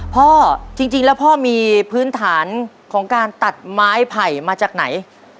พ่อจริงแล้วพ่อมีพื้นฐานของการตัดไม้ไผ่มาจากไหน